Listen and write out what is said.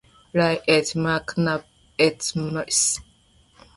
Raë et Mac Nap, et Mrs.